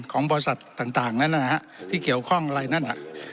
ของบริษัทต่างนั้นนะฮะที่เกี่ยวข้องอะไรนั่นน่ะ